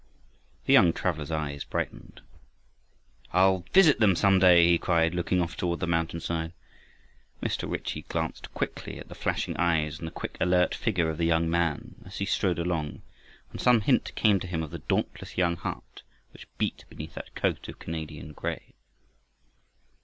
The young traveler's eyes brightened, "I'll visit them some day!" he cried, looking off toward the mountainside. Mr. Ritchie glanced quickly at the flashing eyes and the quick, alert figure of the young man as he strode along, and some hint came to him of the dauntless young heart which beat beneath that coat of Canadian gray.